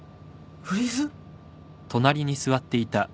フリーズ？